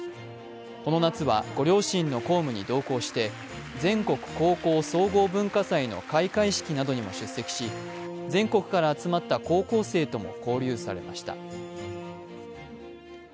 この夏はご両親の公務に同行して全国高校総合文化祭の開会式などにも出席し全国から集まった高校生とも交流されました。